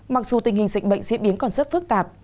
mặc dù tình hình dịch bệnh diễn biến còn rất phức tạp